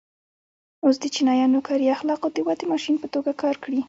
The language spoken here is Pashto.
اوس د چینایانو کاري اخلاقو د ودې ماشین په توګه کار کړی.